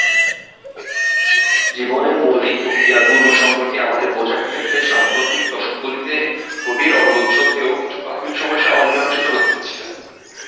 জীবনের মৌলিক প্রক্রিয়াগুলি সম্পর্কে আমাদের বোঝার ক্ষেত্রে সাম্প্রতিক দশকগুলিতে গভীর অগ্রগতি সত্ত্বেও, কিছু প্রাথমিক সমস্যা অমীমাংসিত রয়ে গেছে।